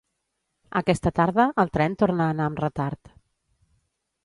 Aquesta tarda el tren torna a anar amb retard